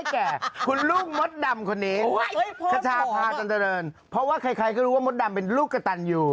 แก่คุณลูกมดดำคนนี้คชาพาจันเจริญเพราะว่าใครก็รู้ว่ามดดำเป็นลูกกระตันอยู่